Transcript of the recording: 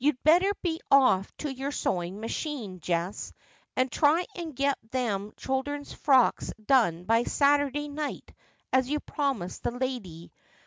— You'd better be off to your sewing machine, Jess, and try and get them children's frocks done bv Saturday night, as you promised the lady.